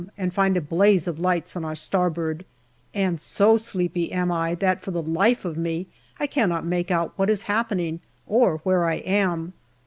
and find a blaze of lights on our star board, and so sleepy am I that for the life of me I cannot make out what is happening or where I am.